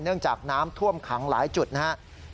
จากน้ำท่วมขังหลายจุดนะครับ